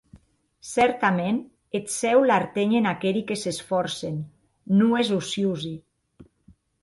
Cèrtament eth Cèu l’artenhen aqueri que s’esfòrcen, non es ociosi.